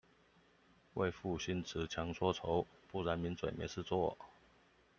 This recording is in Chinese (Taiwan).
為賦新辭強說愁，不然名嘴沒事做